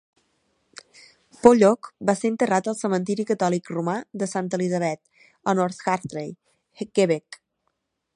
Pollock va ser enterrat al cementiri catòlic romà de Ste Elisabeth a North Hatley, Quebec.